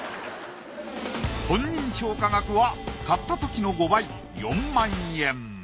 本人評価額は買ったときの５倍４万円。